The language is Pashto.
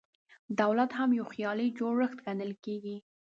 دولت هم یو خیالي جوړښت ګڼل کېږي.